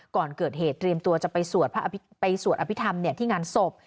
ก่อนเกิดเหตุเตรียมตัวจะไปสวดอภิษฐรรมที่งานศพ